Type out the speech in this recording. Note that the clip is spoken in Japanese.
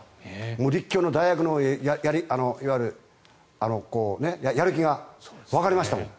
立教の大学のやる気がわかりましたもん。